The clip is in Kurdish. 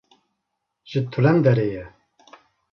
ji Tulenderê ye